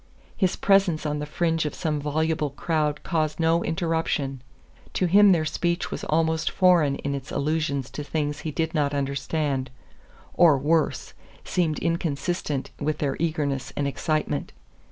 His presence on the fringe of some voluble crowd caused no interruption; to him their speech was almost foreign in its allusions to things he did not understand, or, worse, seemed inconsistent with their eagerness and excitement.